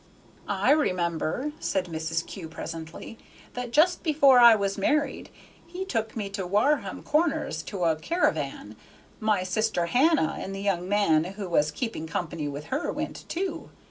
"I remember," said Mrs. Kew, presently, "that just before I was married 'he' took me over to Wareham Corners to a caravan. My sister Hannah and the young man who was keeping company with her went too.